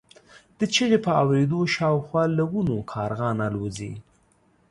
د چیغې په اورېدو شاوخوا له ونو کارغان الوځي.